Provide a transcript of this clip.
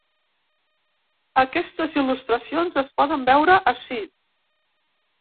Aquestes il·lustracions es poden veure ací.